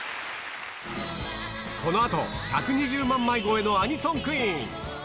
このあと、１２０万枚超えのアニソンクイーン。